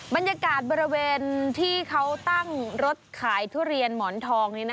บรรยากาศบริเวณที่เขาตั้งรถขายทุเรียนหมอนทอง